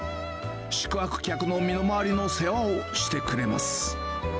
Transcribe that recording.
宿泊客の身の回りの世話をしてくれます。